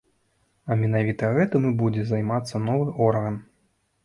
А менавіта гэтым і будзе займацца новы орган.